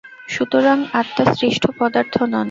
সুতরাং আত্মা সৃষ্ট পদার্থ নন।